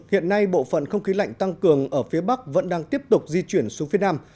hiện nay bộ phận không khí lạnh tăng cường ở phía bắc vẫn đang tiếp tục di chuyển xuống phía nam